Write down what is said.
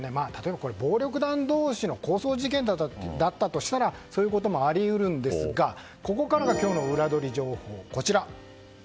暴力団同士の抗争事件だったらそういうこともあり得るんですがここからが今日のウラどり情報。